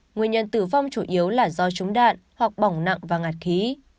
nguyên nhân tử vong chủ yếu là do trúng đạn hoặc bỏng nặng và ngạt khí